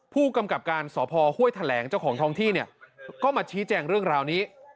ผู้กำกับการสพห้วยแถลงเจ้าของท้องที่เนี่ยก็มาชี้แจงเรื่องราวนี้